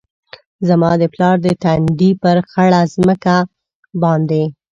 زما د پلار د تندي ، پر خړه مځکه باندي